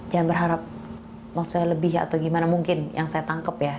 jangan berharap mau saya lebih atau bagaimana mungkin yang saya tangkap ya